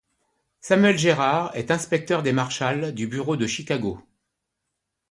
Samuel Gerard est inspecteur des Marshals du bureau de Chicago.